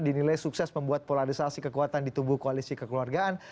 dinilai sukses membuat polarisasi kekuatan di tubuh koalisi kekeluargaan